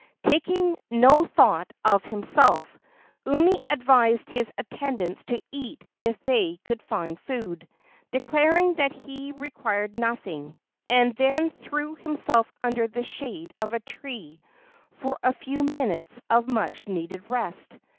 Taking no thought of himself, Umi advised his attendants to eat if they could find food, declaring that he required nothing, and then threw himself under the shade of a tree for a few minutes of much needed rest.